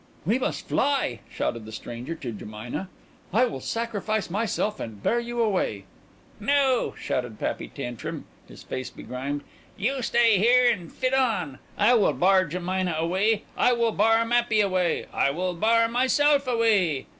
"We must fly," shouted the stranger to Jemina. "I will sacrifice myself and bear you away." "No," shouted Pappy Tantrum, his face begrimed. "You stay here and fit on. I will bar Jemina away. I will bar Mappy away. I will bar myself away."